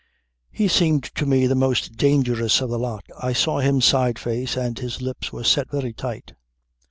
He seemed to me the most dangerous of the lot. I saw him sideface and his lips were set very tight.